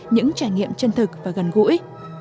những trải nghiệm chân thực và gần gũi